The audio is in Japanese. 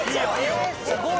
えすごい！